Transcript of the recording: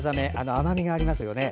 甘みがありますよね。